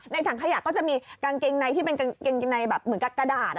ถังขยะก็จะมีกางเกงในที่เป็นกางเกงในแบบเหมือนกับกระดาษ